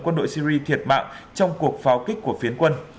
quân đội syri thiệt mạng trong cuộc pháo kích của phiến quân